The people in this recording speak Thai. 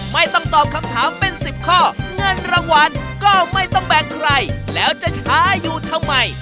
ไม่ต้องตอบคำถามเป็น๑๐ข้อเงินรางวัลก็ไม่ต้องแบ่งใครแล้วจะช้าอยู่ทำไม